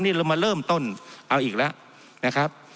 นี่เรามาเริ่มต้นเอาอีกแล้วนะครับ